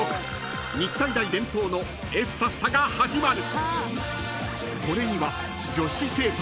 日体大伝統のエッサッサが始まる］